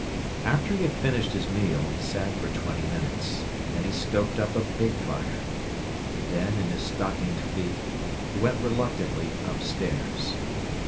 After he had finished his meal, he sat for twenty minutes; then he stoked up a big fire. Then, in his stockinged feet, he went reluctantly upstairs.